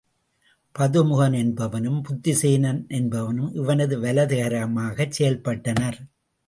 பதுமுகன் என்பவனும் புத்திசேனன் என்பவனும் இவனது வலது கரமாகச் செயல் பட்டனர்.